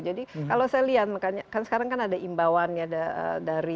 jadi kalau saya lihat kan sekarang kan ada imbauan ya dari gubernur